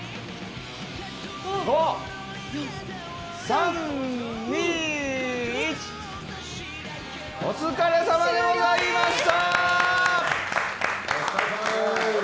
３、２、１お疲れさまでございました！